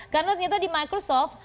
karena ternyata di microsoft